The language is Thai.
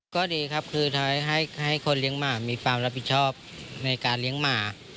ก็ดีครับคือให้คนเลี้ยงหมามีความรับผิดชอบในการเลี้ยงหมา